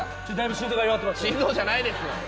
心臓じゃないです。